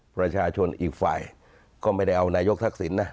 ประชาชนอีกฝ่ายก็ไม่ได้เอานายกทักษิณนะ